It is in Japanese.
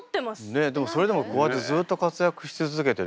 ねっそれでもこうやってずっと活躍し続けてるから。